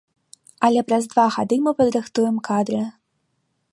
Але праз два гады мы падрыхтуем кадры.